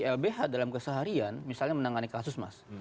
jadi kita bisa melihat dalam keseharian misalnya menangani kasus mas